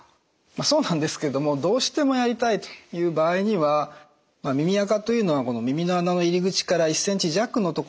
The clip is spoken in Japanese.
そうなんですけれどもどうしてもやりたいという場合には耳あかというのは耳の穴の入り口から１ｃｍ弱のところにたまります。